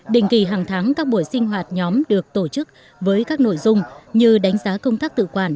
đình kỳ hàng tháng các buổi sinh hoạt nhóm được tổ chức với các nội dung như đánh giá công tác tự quản